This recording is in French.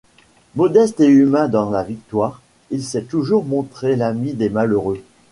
Modeste et humain dans la victoire, il s'est toujours montré l'ami des malheureux.